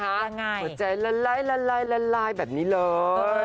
หัวใจละลายแบบนี้เลย